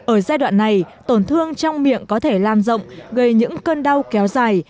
ở giai đoạn này tổn thương trong miệng có thể lan rộng gây những cơn đau kéo dài